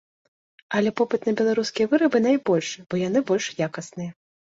Але попыт на беларускія вырабы найбольшы, бо яны больш якасныя.